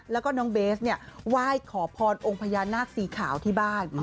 แล้วก็น้องเบสเนี่ยไหว้ขอพรองค์พญานาคสีขาวที่บ้าน